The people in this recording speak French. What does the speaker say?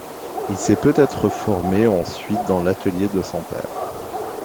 Il s'est peut-être formé ensuite dans l'atelier de son père.